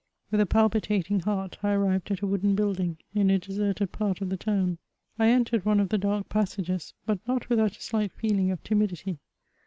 With a palpitating heart, I arrived at a wooden building, in a deserted part of the town. I entered one of the dark pas CHATEAUBRIAND. 95 sages, but not without a slight feeling of timidity.